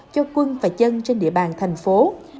cho quân và dân trên địa bàn thành phố